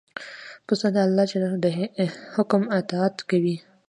پسه د الله د حکم اطاعت کوي.